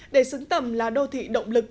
để xứng tâm là đô thị động lực